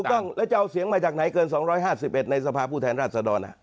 ถูกต้องแล้วจะเอาเสียงมาจากไหนเกิน๒๕๑ในสภาพผู้แทนราชดร